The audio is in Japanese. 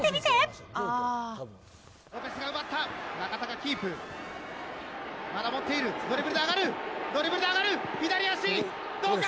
ロペスが奪った、中田がキープ、まだ持っている、ドリブルで上がる、ドリブルで上がる、左足、どうか？